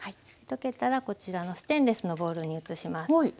溶けたらこちらのステンレスのボウルに移します。